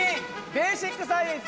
「ベーシックサイエンス」